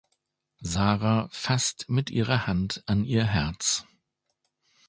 Sara fasst mit ihrer Hand an ihr Herz.